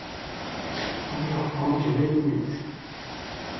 Bunu yapman gerekmiyor.